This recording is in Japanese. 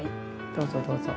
どうぞどうぞ。